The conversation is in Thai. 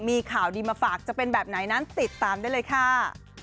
มีข่าวดีมาฝากจะเป็นแบบไหนนั้นติดตามได้เลยค่ะ